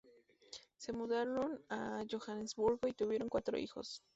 Se mudaron a Johannesburgo y tuvieron cuatro hijos.